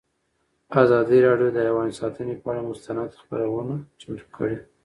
ازادي راډیو د حیوان ساتنه پر اړه مستند خپرونه چمتو کړې.